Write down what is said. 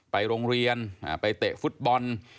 ไปโรงเรียนไปเตะฟุตบอล